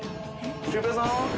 シュウペイさん。